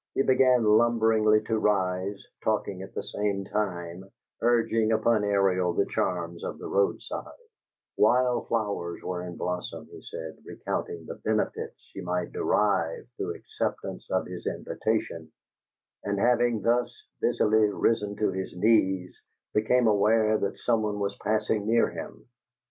He began lumberingly to rise, talking at the same time, urging upon Ariel the charms of the roadside; wild flowers were in blossom, he said, recounting the benefits she might derive through acceptance of his invitation; and having, thus busily, risen to his knees, became aware that some one was passing near him.